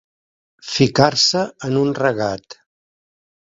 Ficar-se en un regat.